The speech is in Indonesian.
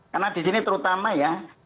karena di sini terutama ya